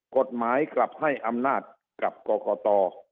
กฎหมายกลับให้อำนาจกับกรกต